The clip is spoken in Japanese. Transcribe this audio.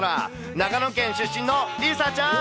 長野県出身の梨紗ちゃん。